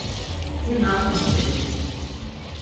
Si na qvi steri.